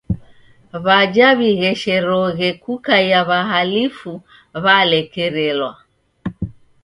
W'aja w'ighesherogje kukaia w'ahalifu w'alekerelwa.